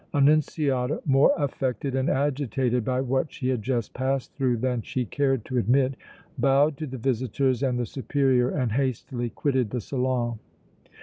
Annunziata, more affected and agitated by what she had just passed through than she cared to admit, bowed to the visitors and the Superior and hastily quitted the salon.